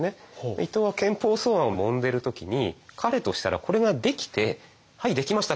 伊藤は憲法草案をもんでる時に彼としたらこれができて「はいできました！